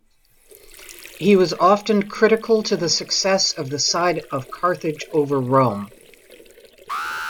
He was often critical to the success of the side of Carthage over Rome.